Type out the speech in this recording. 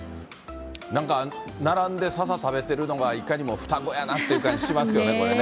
なんか並んで、ささ食べてるのがいかにも双子やなって感じしますよね、これね。